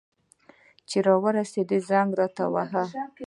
چي ورسېدې، زنګ راته ووهه.